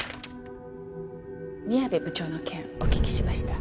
宮部部長の件お聞きしました。